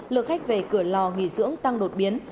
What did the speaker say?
lượng khách về cửa lò nghỉ dưỡng tăng đột biến